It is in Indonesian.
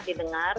yang bisa didengar